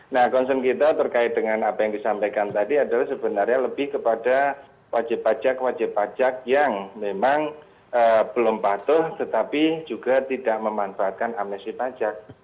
nah concern kita terkait dengan apa yang disampaikan tadi adalah sebenarnya lebih kepada wajib pajak wajib pajak yang memang belum patuh tetapi juga tidak memanfaatkan amnesti pajak